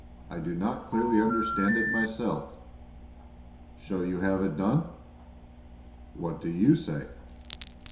I do not clearly understand it myself." "Shall you have it done?" "What do you say?"